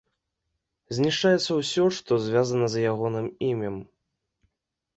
Знішчаецца ўсё, што звязана з ягоным імем.